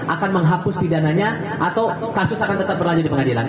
akan menghapus pidananya atau kasus akan tetap berlanjut di pengadilan